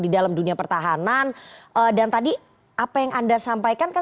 di dalam dunia pertahanan dan tadi apa yang anda sampaikan kan